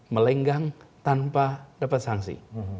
melenggang tanpa dapat sanksi